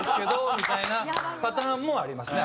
みたいなパターンもありますね。